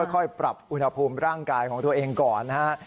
ค่อยปรับอุณหภูมิร่างกายของตัวเองก่อนนะฮะ